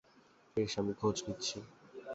বেশ, আমি খোঁজ নিচ্ছি।